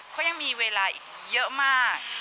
เขายังมีเวลาอีกเยอะมาก